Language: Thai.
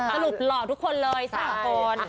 สรุปหล่อทุกคนเลยสร้างก่อน